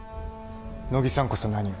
乃木さんこそ何を？